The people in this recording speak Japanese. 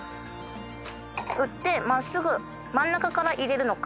打ってまっすぐ真ん中から入れるのか。